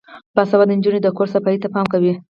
باسواده نجونې د کور صفايي ته پام کوي.